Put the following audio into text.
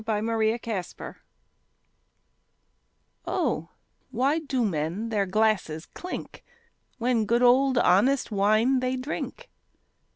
THE FIVE SENSES Oh, why do men their glasses clink When good old honest wine they drink?